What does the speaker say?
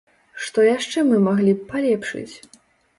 Што яшчэ мы маглі б палепшыць?